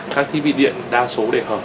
các thi vị điện đa số để hở